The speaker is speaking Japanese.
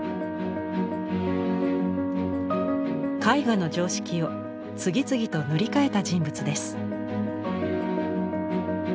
絵画の常識を次々と塗り替えた人物です。